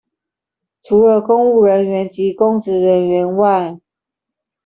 除了公務員及公職人員外